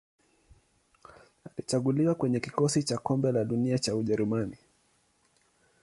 Alichaguliwa kwenye kikosi cha Kombe la Dunia cha Ujerumani.